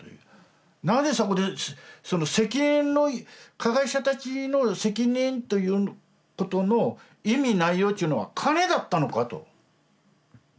なぜそこで責任の加害者たちの責任ということの意味内容ちゅうのは金だったのか？と。